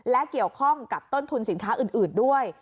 และเกี่ยวข้องกับต้นทุนสินค้าอื่นด้วย